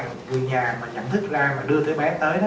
người nhà mà giảm thức ra mà đưa đứa bé tới á